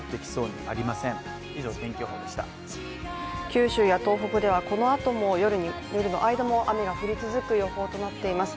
九州や東北では、このあとも夜の間も雨が降り続く予報となっています。